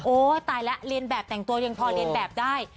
ตายแล้วเรียนแบบแต่งตัวยังพอเรียนแบบได้